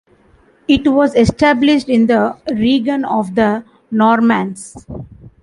It was established in the reign of the Normans.